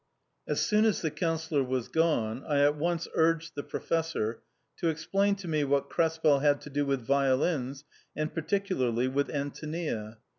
As soon as the Councillor was gone, I at once urged the Professor to explain to me what Krespel had to do with violins, and particularly with Antonia.